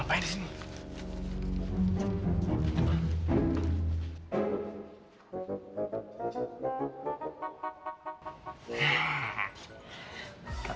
operasi ini juga